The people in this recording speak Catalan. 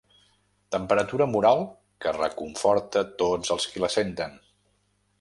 Temperatura moral que reconforta tots els qui la senten.